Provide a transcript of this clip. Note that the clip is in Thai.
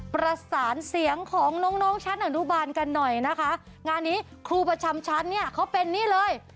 ประสานเสียงของน้องน้องชั้นอนุบาลกันหน่อยนะคะงานนี้ครูประจำชั้นเนี่ยเขาเป็นนี่เลย